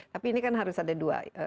tapi ini kan harus ada dua